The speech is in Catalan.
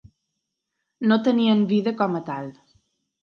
No tenien vida com a tal.